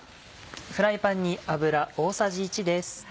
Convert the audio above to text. フライパンに油大さじ１です。